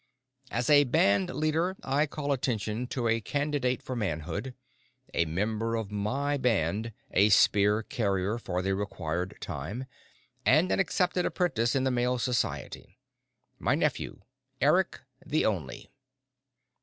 "As a band leader, I call attention to a candidate for manhood. A member of my band, a spear carrier for the required time, and an accepted apprentice in the Male Society. My nephew, Eric the Only."